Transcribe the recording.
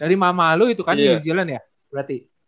dari mama lu itu kan new zealand ya berarti